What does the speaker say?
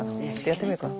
やってみようかな。